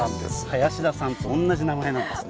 林田さんと同じ名前なんです。